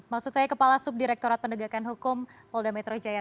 maksud saya kepala subdirektorat penegakan hukum polda metro jaya